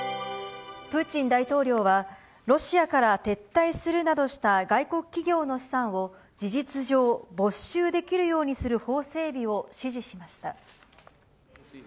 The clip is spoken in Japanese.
プーチン大統領は、ロシアから撤退するなどした外国企業の資産を、事実上、没収できるようにする法整備を指示しました。